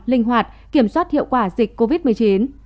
linh hoạt kiểm soát hiệu quả dịch covid một mươi chín